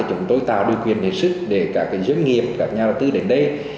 chúng tôi tạo điều kiện hết sức để các doanh nghiệp các nhà đầu tư đến đây